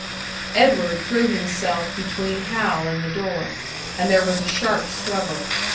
Edward threw himself between Hal and the door, and there was a sharp struggle.